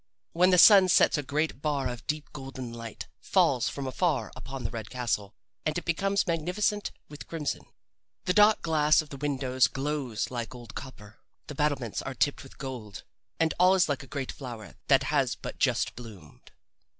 When the sun sets a great bar of deep golden light falls from afar upon the red castle, and it becomes magnificent with crimson. The dark glass of the windows glows like old copper. The battlements are tipped with gold, and all is like a great flower that has but just bloomed.